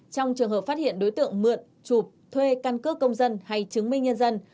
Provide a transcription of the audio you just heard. trong trường hợp phát hiện đối tượng mượn chụp thuê căn cước công dân hay chứng minh nhân dân